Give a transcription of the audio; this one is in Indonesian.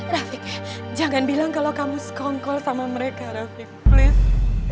raffiq jangan bilang kalo kamu skongkol sama mereka rafiq please